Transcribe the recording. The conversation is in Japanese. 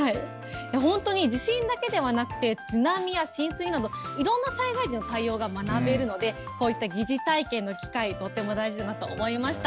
本当に地震だけではなくて、津波や浸水など、いろんな災害時の対応が学べるので、こういった疑似体験の機会、とっても大事だなと思いました。